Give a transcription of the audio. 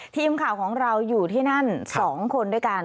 ทีมข่าวของเราอยู่ที่นั่น๒คนด้วยกัน